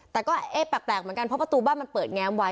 แต่ก็เอ๊ะแปลกเหมือนกันเพราะประตูบ้านมันเปิดแง้มไว้